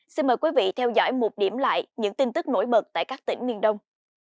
xin mời quý vị theo dõi một điểm lại những tin tức nổi bật tại các tỉnh miền đông